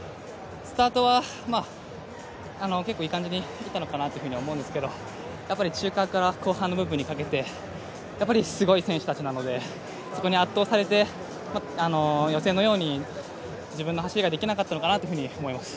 スタートは結構いい感じにいったのかなと思うんですけど中盤から後半の部分にかけて、やっぱりすごい選手たちなのでそこに圧倒され、予選のように自分の走りができなかったのかなと思います。